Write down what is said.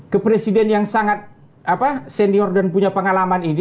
ke presiden yang sangat senior dan punya pengalaman ini